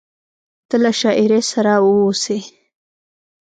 ته له شاعري سره واوسې…